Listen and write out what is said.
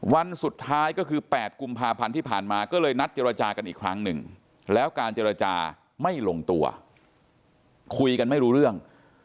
วันสุดท้ายก็คือ๘กุมภาพันธ์ที่ผ่านมาก็เลยนัดเจรจากันอีกครั้งหนึ่งแล้วการเจรจาไม่ลงตัวคุยกันไม่รู้เรื่อง